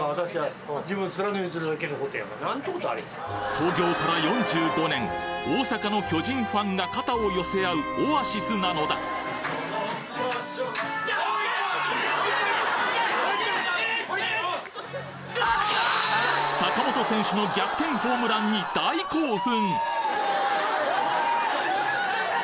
創業から４５年大阪の巨人ファンが肩を寄せ合うオアシスなのだ坂本選手の逆転ホームランに大興奮！